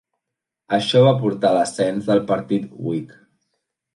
Això va portar a l'ascens del Partit Whig.